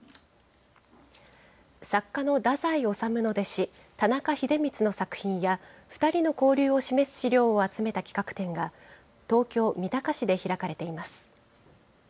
作家の太宰治の弟子、田中英光の作品や、２人の交流を示す資料を集めた企画展が、東京・三鷹市で開かれています。